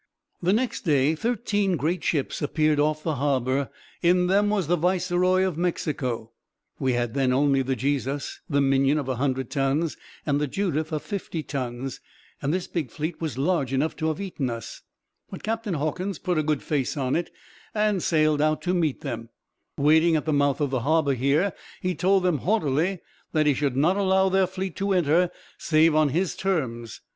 "The next day thirteen great ships appeared off the harbor In them was the Viceroy of Mexico. We had then only the Jesus, the Minion of 100 tons, and the Judith of 50 tons, and this big fleet was large enough to have eaten us; but Captain Hawkins put a good face on it, and sailed out to meet them, waiting at the mouth of the harbor Here he told them haughtily that he should not allow their fleet to enter, save on his terms.